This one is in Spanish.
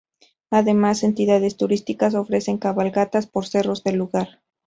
Además, entidades turísticas ofrecen cabalgatas por cerros del lugar.